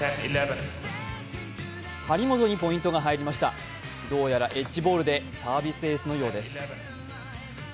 張本にポイントが入りました、どうやらエッジボールでサービスエースのようです。